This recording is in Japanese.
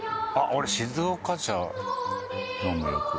俺静岡茶飲むよく。